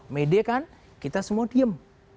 me di kan kita semua diem